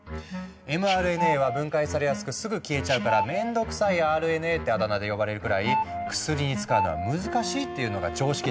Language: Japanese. ｍＲＮＡは分解されやすくすぐ消えちゃうから「めんどくさいＲＮＡ」ってあだ名で呼ばれるくらい「薬に使うのは難しい」っていうのが常識だったからなんだ。